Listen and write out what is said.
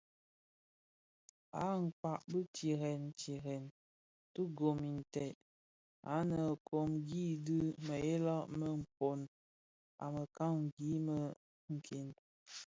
Akpaň bi tirèè tirèè ti gom itsem, ndhanen kōti dhi mëghèla më mpōn, mekanikani “mě nken”.